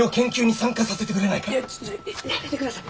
ちょっとやめてください。